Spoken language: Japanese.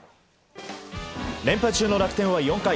連敗中の楽天は４回。